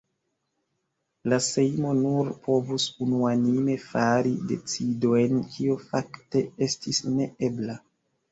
La Sejmo nur povus unuanime fari decidojn, kio fakte estis ne ebla.